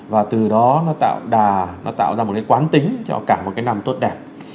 và từ đó nó tạo ra một cái quán tính cho cả một cái năm tốt đẹp